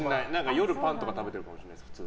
夜パンとか食べてるかもしれない。